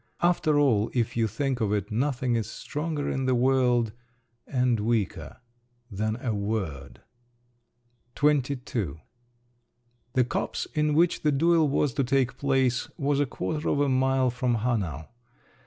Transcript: After all, if you think of it, nothing is stronger in the world … and weaker—than a word! XXII The copse in which the duel was to take place was a quarter of a mile from Hanau.